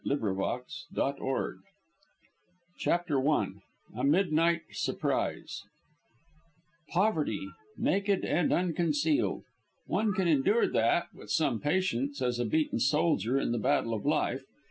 The Crimson Cryptogram CHAPTER I A MIDNIGHT SURPRISE "Poverty, naked and unconcealed! One can endure that, with some patience, as a beaten soldier in the battle of life.